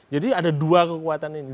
jadi ada dua kekuatan ini